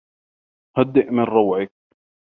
هدّء من روعك.